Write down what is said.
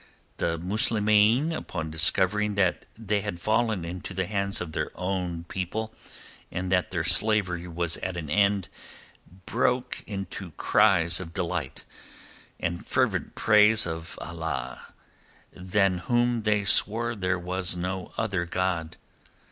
The Muslimeen upon discovering that they had fallen into the hands of their own people and that their slavery was at an end, broke into cries of delight, and fervent praise of Allah than whom they swore there was no other God.